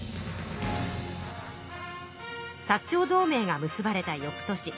薩長同盟が結ばれたよく年